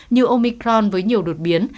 như omicron với nhiều đột biến